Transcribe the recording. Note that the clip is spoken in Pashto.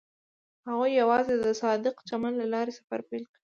هغوی یوځای د صادق چمن له لارې سفر پیل کړ.